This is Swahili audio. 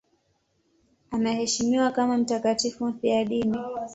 Anaheshimiwa kama mtakatifu mfiadini.